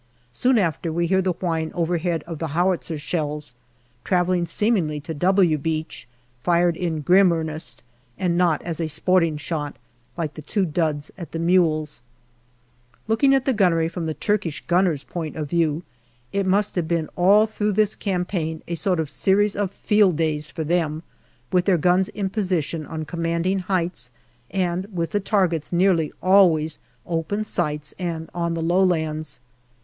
Soon after we hear the whine overhead of the howitzer shells, travelling seemingly to " W" Beach, fired in grim earnest and not as a sporting shot, like the two duds at the mules. JANUARY 1916 319 Looking at the gunnery from the Turkish gunners' point of view, it must have been all through this campaign a sort of series of field days for them, with their guns in position on commanding heights, and with the targets nearly always open sights and on the low lands.